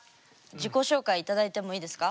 自己紹介頂いてもいいですか？